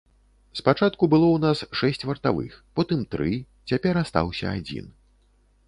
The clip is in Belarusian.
Спачатку было ў нас шэсць вартавых, потым тры, цяпер астаўся адзін.